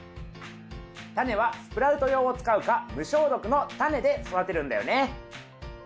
タネはスプラウト用を使うか無消毒のタネで育てるんだよね。